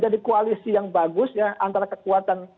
jadi koalisi yang bagus ya antara kekuatan